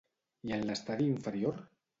I en l'estadi inferior?